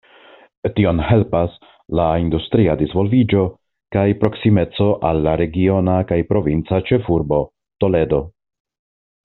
Tion helpas la industria disvolviĝo kaj proksimeco al la regiona kaj provinca ĉefurbo Toledo.